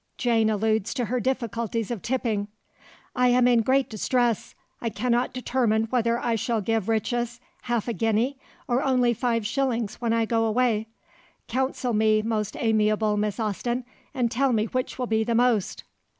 Jane alludes to her difficulties of tipping. "I am in great distress. I cannot determine whether I shall give Richis half a guinea or only five shillings when I go away. Counsel me, most amiable Miss Austen, and tell me which will be the most."